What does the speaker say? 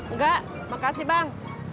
enggak makasih bang